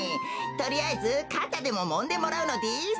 とりあえずかたでももんでもらうのです。